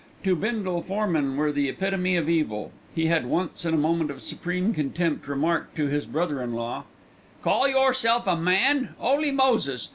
To Bindle foremen were the epitome of evil. He had once in a moment of supreme contempt remarked to his brother in law: "Call yerself a man, 'Oly Moses!